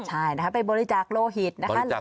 ใช่นะครับบริจักษ์โลหิต